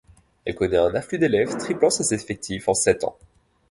Elle connaît un afflux d’élève, triplant ses effectifs en sept ans.